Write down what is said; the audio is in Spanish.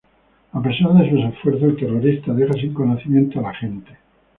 A pesar de sus esfuerzos el terrorista deja sin conocimiento al agente.